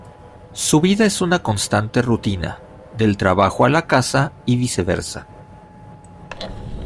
Su vida es una constante rutina: del trabajo a la casa y viceversa.